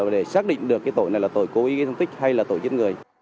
để xác định được cái tội này là tội cố ý gây thương tích hay là tội giết người